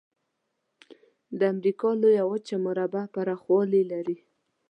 د امریکا لویه وچه مربع پرخوالي لري.